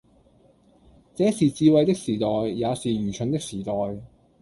這是智慧的時代，也是愚蠢的時代，